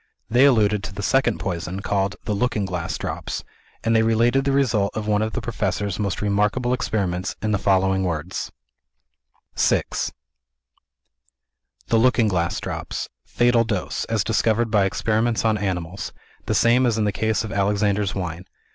They alluded to the second poison, called "The Looking Glass Drops;" and they related the result of one of the Professor's most remarkable experiments in the following words: VI "The Looking Glass Drops. Fatal Dose, as discovered by experiments on animals, the same as in the case of Alexander's Wine.